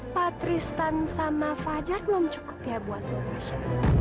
patristan sama fajar belum cukup ya buat lu tasha